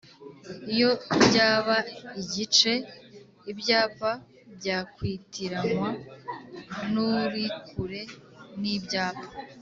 iyo byaba igice, ibyapa byakwitiranywa n'urikure n'ibyapa